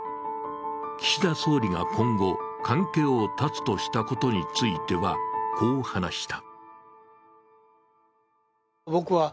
岸田総理が今後、関係を断つとしたことについてはこう話した。